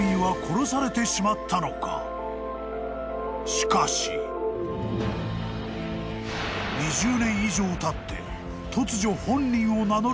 ［しかし］［２０年以上たって突如本人を名乗る女性が出現］